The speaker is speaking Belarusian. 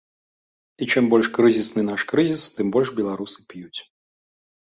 І чым больш крызісны наш крызіс, тым больш беларусы п'юць.